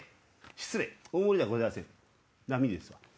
失礼大盛りじゃございません並ですわ。